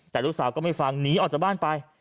แต่ลูกสาวก็ไม่ฟังหนีออกจากบ้านไป